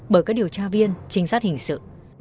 bởi các điều tra viên trinh sát hình sự